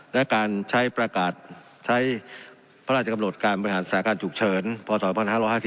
และการใช้ประกาศใช้พระราชกำหนดการประหลาดศาลการณ์จุกเฉินพศ๑๕๘เป็นต้นมา